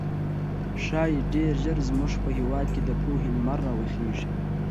ښايي ډېر ژر زموږ په هېواد کې د پوهې لمر راوخېږي.